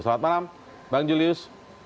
selamat malam bang julius